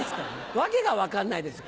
訳が分かんないですよ